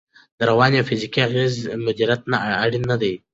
د رواني او فزیکي اغېزو مدیریت اړین دی.